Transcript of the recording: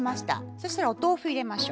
そしたらお豆腐入れましょ。